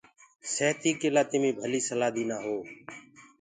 سهتي ڪي لآ تمي ڀلي سلآه دينآ هو۔